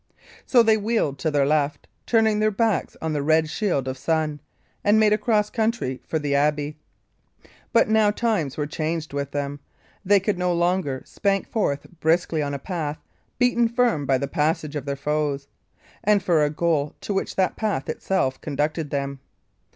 So they wheeled to their left, turning their backs on the red shield of sun, and made across country for the abbey. But now times were changed with them; they could no longer spank forth briskly on a path beaten firm by the passage of their foes, and for a goal to which that path itself conducted them.